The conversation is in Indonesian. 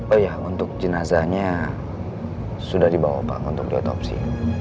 oh ya untuk jenazahnya sudah dibawa pak untuk diotopsi